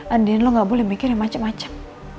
andien lo gak boleh mikir yang macem macem